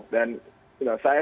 dan saya cuekin dia